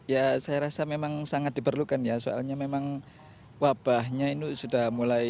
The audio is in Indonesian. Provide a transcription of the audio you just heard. ya saya rasa memang sangat diperlukan ya soalnya memang wabahnya ini sudah mulai